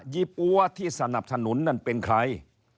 ี่ปั๊วที่สนับสนุนนั่นเป็นใคร